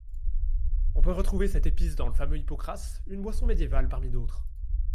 On peut retrouver cette épice dans le fameux hypocras, une boisson médiévale parmi d'autres.